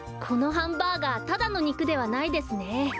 このハンバーガーただのにくではないですね。